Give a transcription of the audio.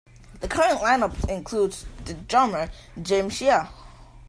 The current lineup includes drummer Jim Shea.